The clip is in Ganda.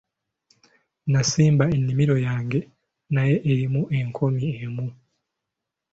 Nasimba ennimiro yange naye erimu enkoomi emu.